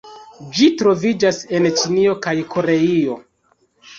Ĝi troviĝas en Ĉinio kaj Koreio.